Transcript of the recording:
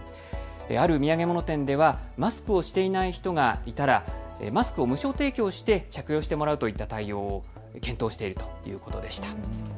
ある土産物店ではマスクをしていない人がいたらマスクを無償提供して着用してもらうといった対応を検討しているということでした。